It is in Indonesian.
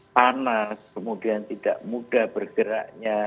panas kemudian tidak mudah bergeraknya